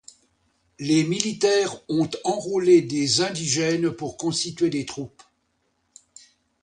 Les militaires ont enrôlé des indigènes pour constituer des troupes.